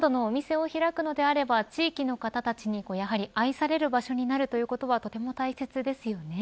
カフェなどのお店を開くのであれば地域の方たちにやはり愛される場所になるということ